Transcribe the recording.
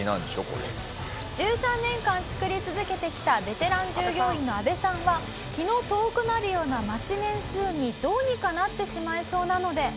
１３年間作り続けてきたベテラン従業員のアベさんは気の遠くなるような待ち年数にどうにかなってしまいそうなので。